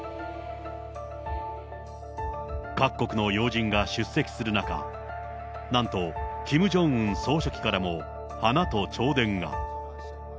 各国の要人が出席する中、なんと、キム・ジョンウン総書記からも花と弔電が。